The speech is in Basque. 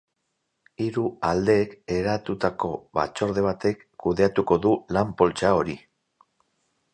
Hiru aldeek eratutako batzorde batek kudeatuko du lan-poltsa hori.